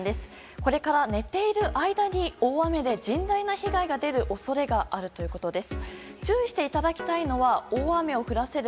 これから寝ている間に大雨で甚大な被害が出る恐れがあるということです。